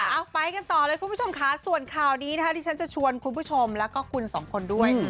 เอาไปกันต่อเลยคุณผู้ชมค่ะส่วนข่าวนี้นะคะที่ฉันจะชวนคุณผู้ชมแล้วก็คุณสองคนด้วย